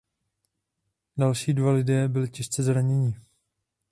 Další dva lidé byli těžce zraněni.